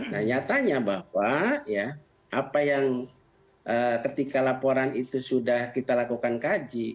nah nyatanya bahwa apa yang ketika laporan itu sudah kita lakukan kaji